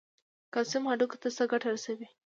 کلسیم هډوکو ته څه ګټه رسوي؟